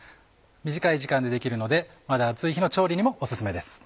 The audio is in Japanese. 短い時間でできるのでまだ暑い日の調理にもお薦めです。